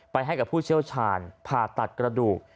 ให้กับผู้เชี่ยวชาญผ่าตัดกระดูก